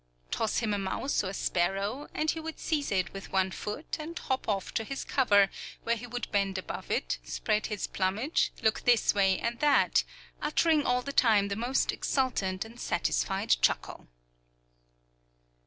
Toss him a mouse or sparrow, and he would seize it with one foot and hop off to his cover, where he would bend above it, spread his plumage, look this way and that, uttering all the time the most exultant and satisfied chuckle.